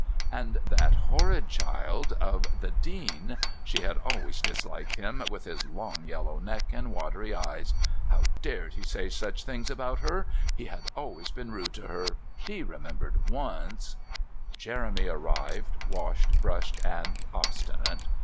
And that horrid child of the Dean she had always disliked him, with his long yellow neck and watery eyes! How dared he say such things about her! He had always been rude to her. She remembered once Jeremy arrived, washed, brushed, and obstinate.